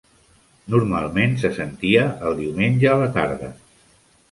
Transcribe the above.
Normalment se sentia el diumenge a la tarda.